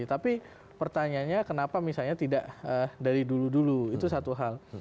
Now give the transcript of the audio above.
tapi pertanyaannya kenapa misalnya tidak dari dulu dulu itu satu hal